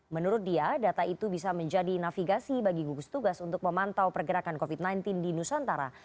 menurut dia data itu bisa menjadi navigasi bagi gugus tugas untuk memantau pergerakan covid sembilan belas di nusantara